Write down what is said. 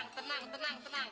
tenang tenang tenang